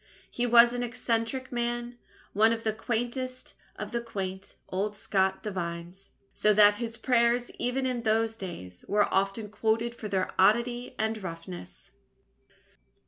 He was an eccentric man, one of the quaintest of the quaint old Scot divines, so that his prayers, even in those days, were often quoted for their oddity and roughness.